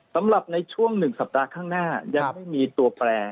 สำหรับในช่วง๑สัปดาห์ข้างหน้ายังไม่มีตัวแปล